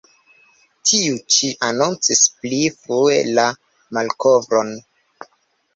Tiu-ĉi anoncis pli frue la malkovron.